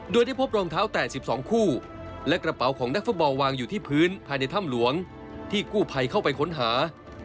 โดยได้พบรองเท้าแตะ๑๒คู่และกระเป๋าของนักฟุตบอลวางอยู่ที่พื้นภายในถ้ำหลวงที่กู้ภัยเข้าไปค้นหา